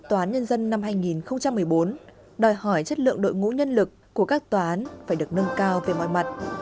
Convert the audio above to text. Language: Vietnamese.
toán nhân dân năm hai nghìn một mươi bốn đòi hỏi chất lượng đội ngũ nhân lực của các toán phải được nâng cao về mọi mặt